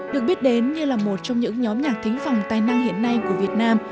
được biết đến như là một trong những nhóm nhạc thính phòng tài năng hiện nay của việt nam